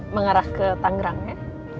mengarah ke tangerang ya